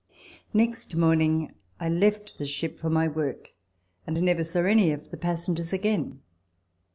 Next morning I left the ship for my work, and never saw any of the passengers again.